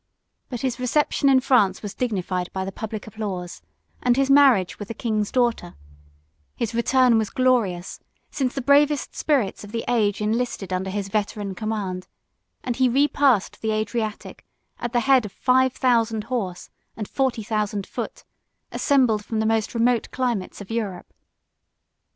3 But his reception in France was dignified by the public applause, and his marriage with the king's daughter: his return was glorious, since the bravest spirits of the age enlisted under his veteran command; and he repassed the Adriatic at the head of five thousand horse and forty thousand foot, assembled from the most remote climates of Europe.